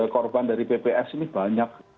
korban dari bps ini banyak